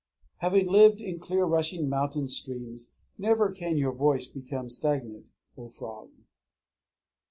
_ _Having lived in clear rushing mountain streams, never can your voice become stagnant, O frog!